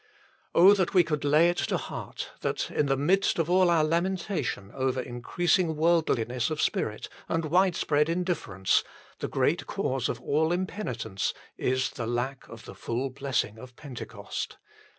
that we could lay it to heart, that, in the midst of all our lamentation over increasing worldli ness of spirit and widespread indifference, the great cause of all impenitence is the lack of the full blessing of Pentecost